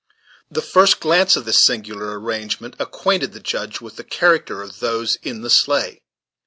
The first glance at this singular arrangement acquainted the Judge with the character of those in the sleigh.